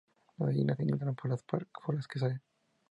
Las gallinas que entran por las que salen